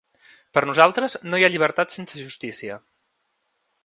Per nosaltres, no hi ha llibertat sense justícia.